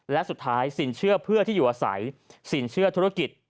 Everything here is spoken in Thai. และสุดท้ายสินเชื่อเพื่อที่อยู่อาศัยสินเชื่อธุรกิจ